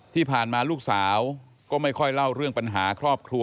ที่ผ่านมาลูกสาวก็ไม่ค่อยเล่าเรื่องปัญหาครอบครัว